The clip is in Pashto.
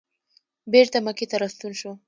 بېرته مکې ته راستون شو.